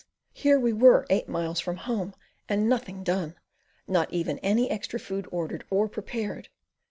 here we were eight miles from home and nothing done, not even any extra food ordered or prepared.